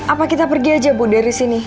apa kita pergi aja bu dari sini